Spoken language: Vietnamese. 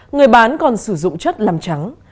người bán còn sử dụng chất làm trắng